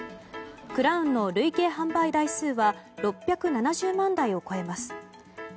クラウンの累計販売台数は６７０万台を超えます。